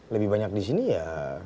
lebih banyak disini ya